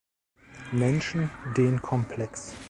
Menschen den Komplex.